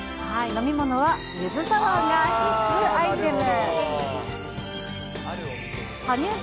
飲み物はゆずサワーが必須アイテム。